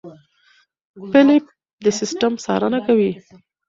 فېلېپ د سیستم څارنه کوي.